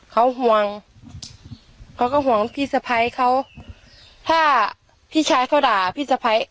เขาห่วงเขาก็ห่วงพี่สะพ้ายเขาถ้าพี่ชายเขาด่าพี่สะพ้าย